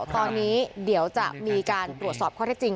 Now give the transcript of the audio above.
ตอนนี้เดี๋ยวจะมีการตรวจสอบข้อเท็จจริง